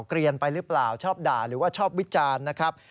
เกลียนไปหรือเปล่าชอบด่าหรือว่าชอบวิจารณ์นะครับ